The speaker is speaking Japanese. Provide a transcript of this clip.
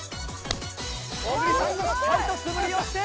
小栗さんもしっかりと素振りをして。